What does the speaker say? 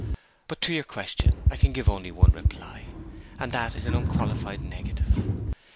But to your question I can give only one reply, and that is an unqualified negative.